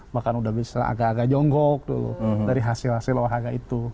bahkan udah bisa agak agak jonggok tuh dari hasil hasil olahraga itu